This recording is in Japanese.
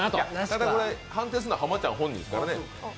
ただ、これ判定するのは濱ちゃん本人やからね。